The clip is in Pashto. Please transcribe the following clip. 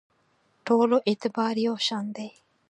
ټولو اعتبار یو شان دی.